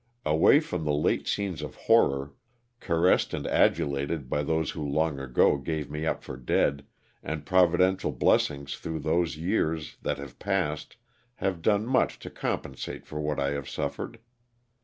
Away from the late scenes of horror, caressed and adulated by those who long ago gave me up for dead, and providential blessings through those years that have passed, have done much to compensate for what I have suffered.